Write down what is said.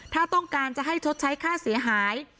ถ้าต้องการจะให้ชดใช้ค่าเสียหาย